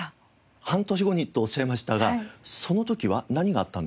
「半年後に」とおっしゃいましたがその時は何があったんですか？